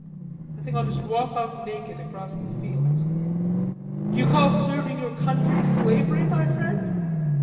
I think I'll just walk off naked across the fields." "D'you call serving your country slavery, my friend?"